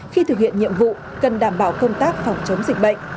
khi thực hiện nhiệm vụ cần đảm bảo công tác phòng chống dịch bệnh